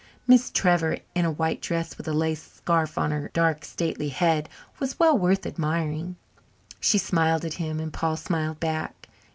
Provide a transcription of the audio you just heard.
Miss Trevor, in a white dress with a lace scarf on her dark, stately head, was well worth admiring. She smiled at him and Paul smiled back.